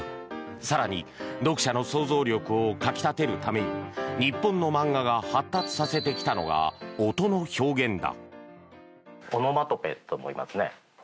更に、読者の想像力をかき立てるために日本の漫画が発達させてきたのが音の表現だ。